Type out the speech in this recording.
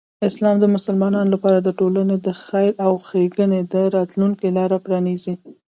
اسلام د مسلمانانو لپاره د ټولنې د خیر او ښېګڼې د راتلوونکی لاره پرانیزي.